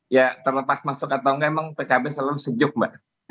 ya terlepas masuk atau enggak memang pkb selalu sejuk mbak